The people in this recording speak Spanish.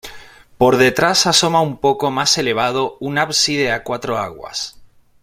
Por detrás asoma un poco más elevado un ábside a cuatro aguas.